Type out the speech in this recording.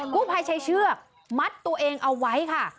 ผู้ภัยใช้เชือกมัดตัวเองเอาไว้ค่ะ